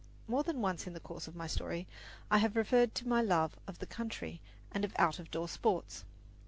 More than once in the course of my story I have referred to my love of the country and out of door sports.